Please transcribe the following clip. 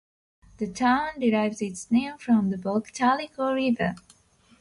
The town derives its name from the Pocatalico River.